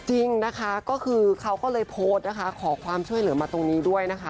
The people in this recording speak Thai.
จริงนะคะก็คือเขาก็เลยโพสต์นะคะขอความช่วยเหลือมาตรงนี้ด้วยนะคะ